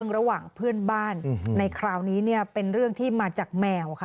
ระหว่างเพื่อนบ้านในคราวนี้เนี่ยเป็นเรื่องที่มาจากแมวค่ะ